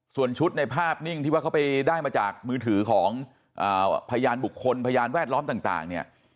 ส่วนชุดในภาพนิ่งที่ว่าเขาไปได้มาจากมือถือของพยานบุคคลพยานแวดล้อมต่างเนี่ย